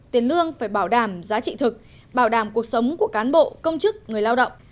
tiền lương phải bảo đảm giá trị thực bảo đảm cuộc sống của cán bộ công chức người lao động